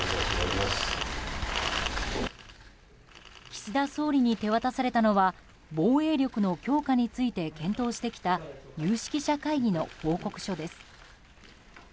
岸田総理に手渡されたのは防衛力の強化について検討してきた有識者会議の報告書です。